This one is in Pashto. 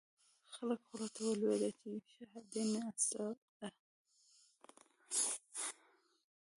د خلکو خولو ته ولويده چې شهادي ناسنته وو.